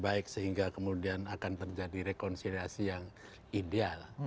baik sehingga kemudian akan terjadi rekonsiliasi yang ideal